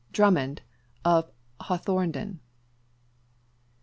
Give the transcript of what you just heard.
DRUMMOND _of Hawthornden.